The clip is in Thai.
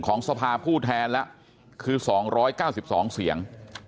สภาผู้แทนแล้วคือ๒๙๒เสียง